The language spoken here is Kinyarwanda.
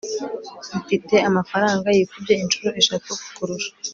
mfite amafaranga yikubye inshuro eshatu kukurusha